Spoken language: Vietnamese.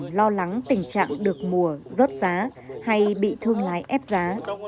nhiều người cũng bị lo lắng tình trạng được mùa rớt giá hay bị thương lái ép giá